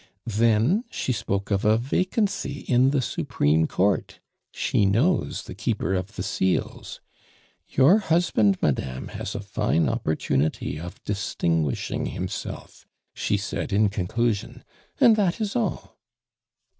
"Then she spoke of a vacancy in the Supreme Court she knows the Keeper of the Seals. 'Your husband, madame, has a fine opportunity of distinguishing himself,' she said in conclusion and that is all."